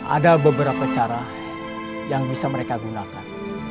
ada beberapa cara yang bisa mereka gunakan